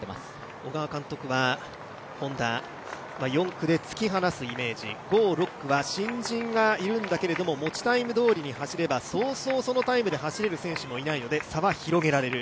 小川監督はＨｏｎｄａ、４区で突き放すイメージ５、６区は新人がいるんだけども、持ちタイムどおりで走れればそうそうそのタイムで走れる選手がいないので差は広げられる。